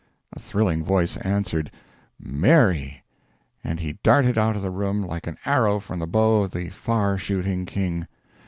A thrilling voice answered, 'Mary!' And he darted out of the room like an arrow from the bow of the far shooting King.